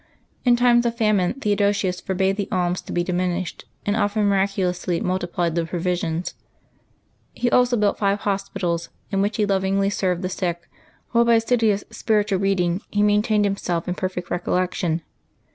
In times of famine Theodosius forbade the alms to be diminished, and often miraculously multiplied the provisions. He also built five hospitals, in which he lovingly served the sick, while by assiduous spiritual reading he maintained himself in per fect recollection.